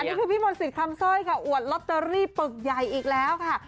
นี่คือพี่มนต์สิทธิ์คำสร้อยค่ะอวดลอตเตอรี่ปึกใหญ่อีกแล้วค่ะ